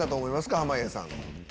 濱家さん」。